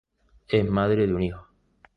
Es madre de un hijo.